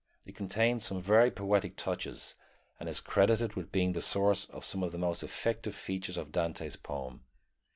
It contains some very poetic touches, and is credited with being the source of some of the most effective features of Dante's poem.